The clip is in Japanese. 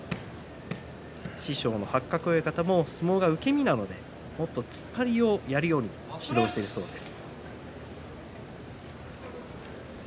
師匠の八角親方も相撲が受け身なのでもっと突っ張りをやるようにと指導しているそうです。